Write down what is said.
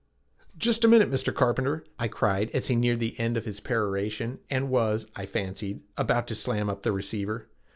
"Just a minute, Mr. Carpenter," I cried as he neared the end of his peroration and was, I fancied, about to slam up the receiver.